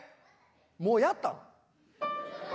もうやったん？